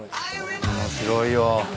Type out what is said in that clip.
面白いよ。